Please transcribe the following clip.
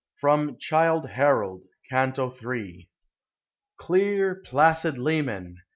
FROM "CHILDfl HAROLD," CANTO Hi. Clear, placid Leman!